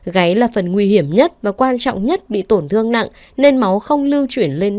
gáy là phần nguy hiểm nhất và quan trọng nhất bị tổn thương nặng nên máu không lưu chuyển lên